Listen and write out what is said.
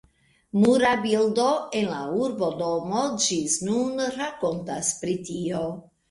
Mura bildo en la urbodomo ĝis nun rakontas pri tio.